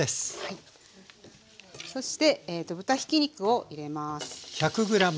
そして豚ひき肉を入れます。